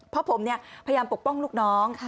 เพราะผมพยายามปกป้องลูกน้อง